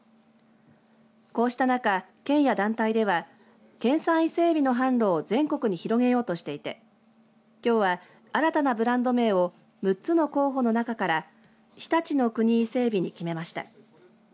こうした中、県や団体では県産伊勢えびの販路を全国に広げようとしていてきょうは、新たなブランド名を６つの候補の中から常陸乃国いせ海老に決めました。